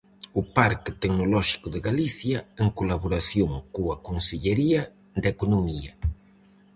O Parque Tecnolóxico de Galicia, en colaboración coa Consellería de Economía.